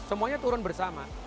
semuanya turun bersama